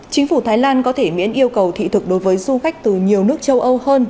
chính phủ thái lan có thể miễn yêu cầu thị thực đối với du khách từ nhiều nước châu âu hơn